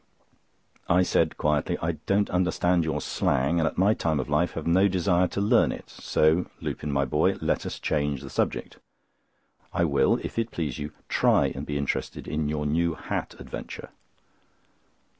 I said quietly: "I don't understand your slang, and at my time of life have no desire to learn it; so, Lupin, my boy, let us change the subject. I will, if it please you, try and be interested in your new hat adventure."